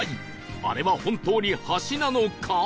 あれは本当に橋なのか？